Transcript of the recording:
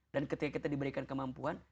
dan ketika kita diberikan kemampuan